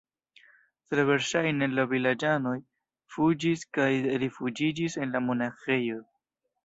Tre verŝajne la vilaĝanoj fuĝis kaj rifuĝiĝis en la monaĥejo.